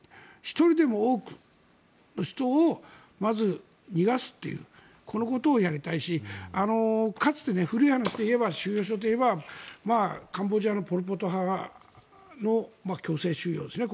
１人でも多くの人をまず逃がすというこのことをやりたいしかつて、古い話でいえば収容所でいえばカンボジアのポル・ポト派の強制収用ですね